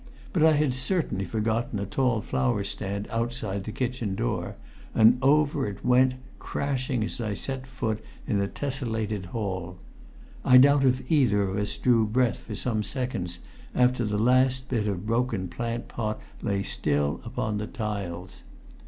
But I had certainly forgotten a tall flower stand outside the kitchen door, and over it went crashing as I set foot in the tessellated hall. I doubt if either of us drew breath for some seconds after the last bit of broken plant pot lay still upon the tiles.